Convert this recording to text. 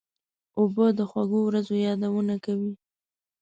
اوبه د خوږو ورځو یادونه کوي.